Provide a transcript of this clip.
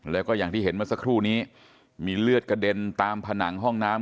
แล้วก็อย่างที่เห็นเมื่อสักครู่นี้มีเลือดกระเด็นตามผนังห้องน้ำ